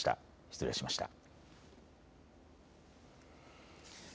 失礼しました。